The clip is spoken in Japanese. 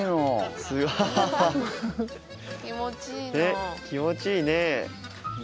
ねっ気持ちいいね。